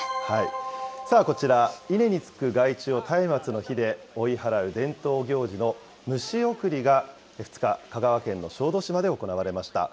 さあ、こちら、稲につく害虫をたいまつの火で追い払う伝統行事の虫送りが２日、香川県の小豆島で行われました。